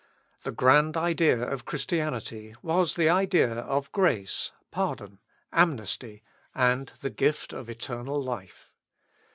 The grand idea of Christianity was the idea of grace, pardon, amnesty, and the gift of eternal life.